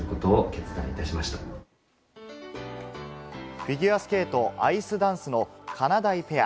フィギュアスケート・アイスダンスのかなだいペア。